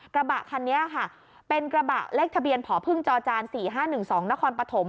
กระบะคันนี้ค่ะเป็นกระบะเลขทะเบียนผอพึ่งจอจาน๔๕๑๒นครปฐม